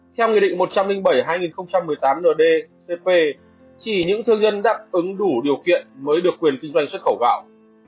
theo nghị định một trăm linh bảy hai nghìn một mươi tám ndcp chỉ những thương nhân đáp ứng đủ điều kiện mới được quyền kinh doanh xuất khẩu gạo